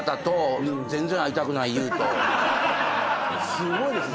すごいですね。